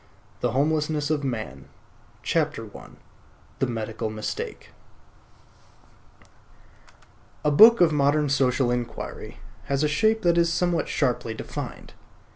THE HOMELESSNESS OF MAN I. THE MEDICAL MISTAKE A book of modern social inquiry has a shape that is somewhat sharply defined.